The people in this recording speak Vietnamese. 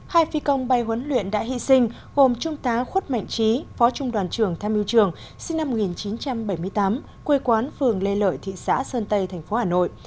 hai phi công bay huấn luyện đã hy sinh gồm trung tá khuất mạnh trí phó trung đoàn trường tham mưu trường sinh năm một nghìn chín trăm bảy mươi tám quê quán phường lê lợi thị xã sơn tây tp hà nội